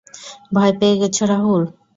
ভয় পেয়ে গেছো রাহুল?